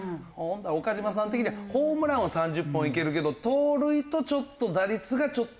岡島さん的にはホームランは３０本いけるけど盗塁とちょっと打率がちょっと。